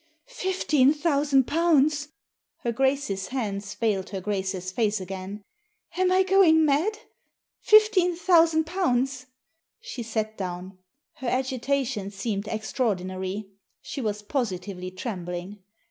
" Fifteen thousand pounds !" Her Grace's hands veiled her Grace's face again. "Am I going mad? Fifteen thousand pounds!" She sat down. Her agitation seeriied extraordinary. She was positively trembling.